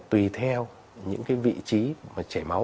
tùy theo những cái vị trí mà chảy máu